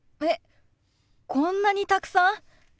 えっこんなにたくさん？